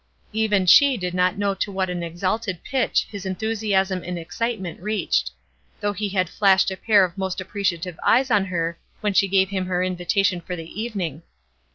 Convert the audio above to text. Even she did not know to what an exalted pitch his enthusiasm and excitement reached; though he had flashed a pair of most appreciative eyes on her when she gave him her invitation for the evening.